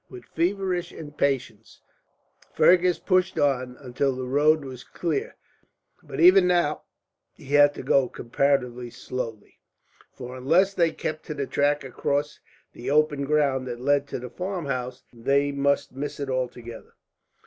With feverish impatience Fergus pushed on, until the road was clear; but even now he had to go comparatively slowly, for unless they kept to the track across the open ground that led to the farmhouse, they must miss it altogether.